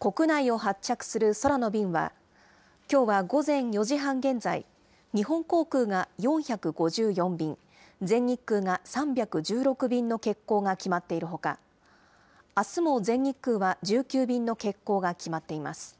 国内を発着する空の便は、きょうは午前４時半現在、日本航空が４５４便、全日空が３１６便の欠航が決まっているほか、あすも全日空は１９便の欠航が決まっています。